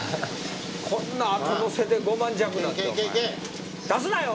こんな後乗せで５万弱なんて出すなよお前。